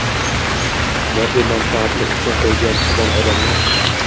moddiy manfaatini ustun qo‘ygan tuban odamlar